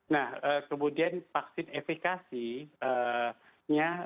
nah kemudian vaksin efekasinya